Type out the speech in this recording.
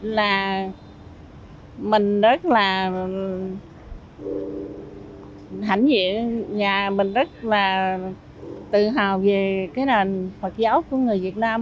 là mình rất là hãnh diện nhà mình rất là tự hào về cái nền phật giáo của người việt nam